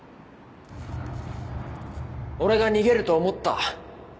俺が逃げると思った？